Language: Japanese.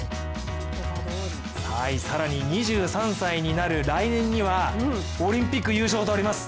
更に、２３歳になる来年にはオリンピック優勝とあります。